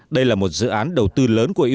đây là một dự án đầu tư lớn của ý